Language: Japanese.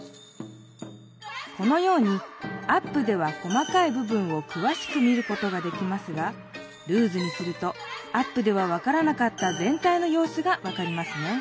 このようにアップではこまかいぶ分をくわしく見ることができますがルーズにするとアップでは分からなかったぜん体のようすが分かりますね。